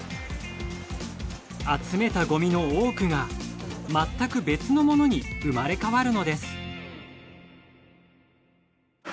集めたごみの多くが全く別のものに生まれ変わるのです。